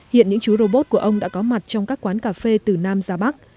hiện những chú robot của ông đã có mặt trong các quán cà phê từ nam ra bắc